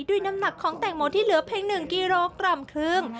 น้ำหนักของแตงโมที่เหลือเพียง๑กิโลกรัมครึ่ง